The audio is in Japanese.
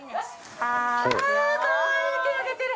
あ、かわいい、手上げてる！